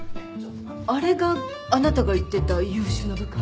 あれがあなたが言ってた優秀な部下？